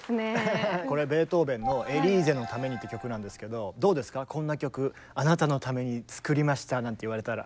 これベートーベンの「エリーゼのために」って曲なんですけどどうですかこんな曲「あなたのために作りました」なんて言われたら？